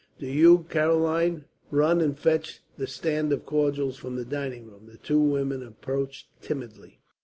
"Do you, Caroline, run and fetch the stand of cordials from the dining room." The two women approached timidly.